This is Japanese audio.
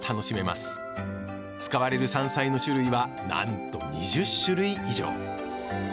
使われる山菜の種類はなんと２０種類以上。